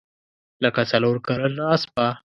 لکه څلورکلنه اسپه.